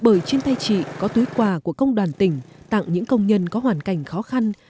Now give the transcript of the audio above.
bởi trên tay chị có túi quà của công đoàn tỉnh tặng những công nhân có hoàn cảnh khó khăn